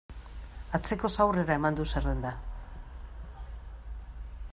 Atzekoz aurrera eman du zerrenda.